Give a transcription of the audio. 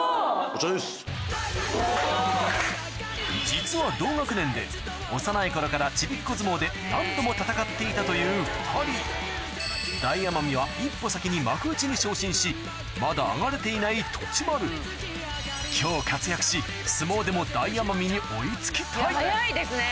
実は同学年で幼い頃からちびっこ相撲で何度も戦っていたという２人大奄美はまだ上がれていない栃丸今日活躍し相撲でも大奄美に早いですね。